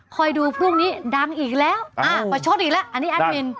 คอยดูพรุ่งนี้ดังอีกแล้วประชดอีกแล้วอันนี้อันวิน